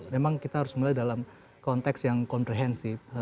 memang kita harus mulai dalam konteks yang komprehensif